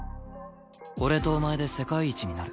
俺とお前で世界一になる。